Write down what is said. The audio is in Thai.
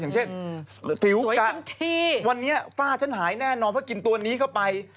อย่างเช่นผิวกันวันนี้ฝ้าฉันหายแน่นอนเพราะกินตัวนี้เข้าไป